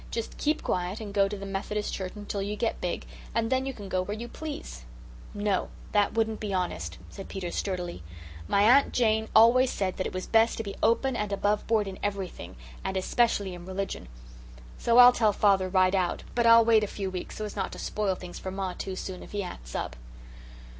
"Just keep quiet and go to the Methodist church until you get big, and then you can go where you please." "No, that wouldn't be honest," said Peter sturdily. "My Aunt Jane always said it was best to be open and above board in everything, and especially in religion. So I'll tell father right out, but I'll wait a few weeks so as not to spoil things for ma too soon if he acts up."